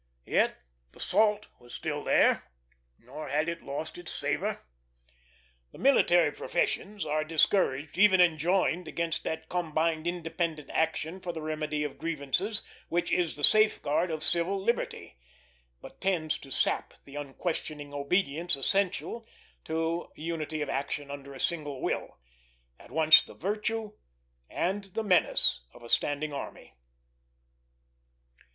Yet the salt was still there, nor had it lost its savor. The military professions are discouraged, even enjoined, against that combined independent action for the remedy of grievances which is the safeguard of civil liberty, but tends to sap the unquestioning obedience essential to unity of action under a single will at once the virtue and the menace of a standing army.